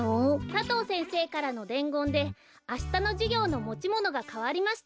佐藤先生からのでんごんであしたのじゅぎょうのもちものがかわりました。